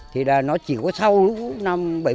thì là nó chỉ có sau lũ năm bảy mươi một